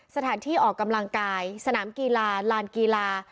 สถานที่ออกกำลังกายสนามกีฬาลานกีฬา